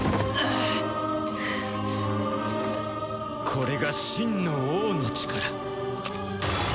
これが真の王の力。